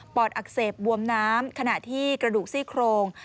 อดอักเสบบวมน้ำขณะที่กระดูกซี่โครง